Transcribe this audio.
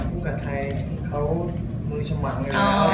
คุณก่อนถ่ายเค้ามือชมะเลย